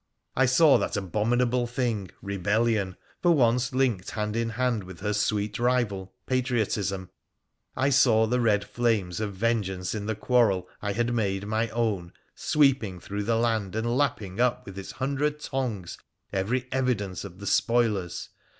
I saw that abomi nable thing, Rebellion, for once linked hand in hand with her sweet rival, Patriotism, I saw the red flames of vengeance in the quarrel I had made my own sweeping through the land and lapping up with its hundred tongues every evidence of the spoilers